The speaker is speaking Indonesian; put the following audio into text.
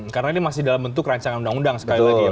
karena ini masih dalam bentuk rancangan undang undang sekali lagi